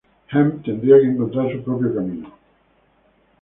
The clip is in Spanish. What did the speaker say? Hem tendría que encontrar su propio camino.